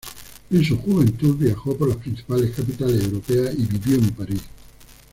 En su juventud viajó por las principales capitales europeas y vivió en París.